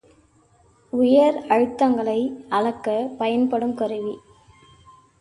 உயர் அழுத்தங்களை அளக்கப் பயன்படும் கருவி.